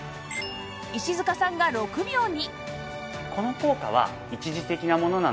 石塚さんが６秒に